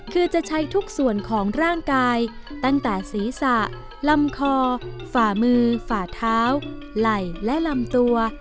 คือจะใช้ทุกส่วนของร่างกายตั้งแต่ศีรษะลำคอฝ่ามือฝ่าเท้าไหล่และลำตัว